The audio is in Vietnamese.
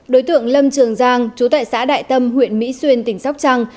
đối tượng lâm trường giang chú tại xã đại tâm huyện mỹ xuyên tỉnh sóc trăng